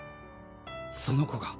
その子が。